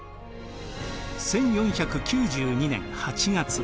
１４９２年８月。